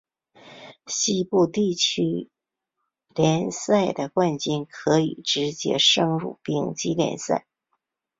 西部地区联赛的冠军可以直接升入丙级联赛。